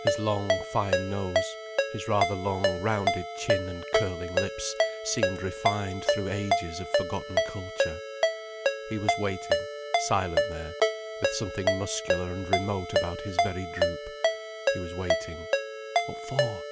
His long, fine nose, his rather long, rounded chin and curling lips seemed refined through ages of forgotten culture. He was waiting: silent there, with something muscular and remote about his very droop, he was waiting. What for?